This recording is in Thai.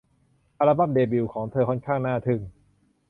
อัลบั้มเดบิวต์ของเธอค่อนข้างน่าทึ่ง